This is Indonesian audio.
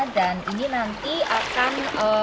dan ini nanti akan